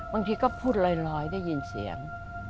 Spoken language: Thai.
บางทีก็พูดลอยได้ยินเสียง